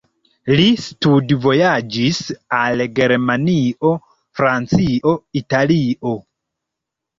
Li studvojaĝis al Germanio, Francio, Italio.